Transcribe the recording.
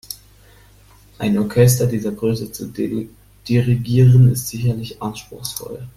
Ein Orchester dieser Größe zu dirigieren, ist sicherlich anspruchsvoll.